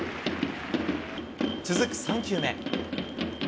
続く３球目。